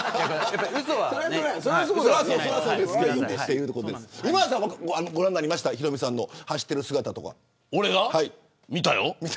それはそうですけど今田さんはご覧になりましたかヒロミさんの走ってる姿とか。